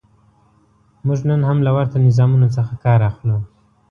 موږ نن هم له ورته نظامونو څخه کار اخلو.